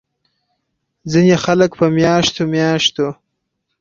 ځينې خلک پۀ مياشتو مياشتو